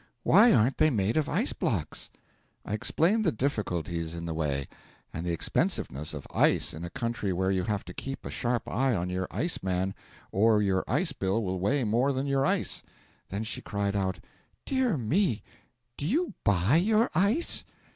Why aren't they made of ice blocks?' I explained the difficulties in the way, and the expensiveness of ice in a country where you have to keep a sharp eye on your ice man or your ice bill will weigh more than your ice. Then she cried out: 'Dear me, do you buy your ice?'